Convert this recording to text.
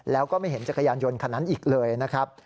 แล้วก็ไม่เห็นจักรยานยนต์คันนั้นอีกเลยนะครับ